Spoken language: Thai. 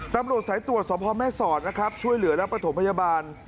ตำรวจสายตรวจสอบพ่อแม่สอดนะครับช่วยเหลือและประถมพยาบาล